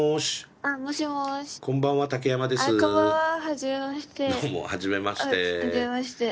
あっはじめまして。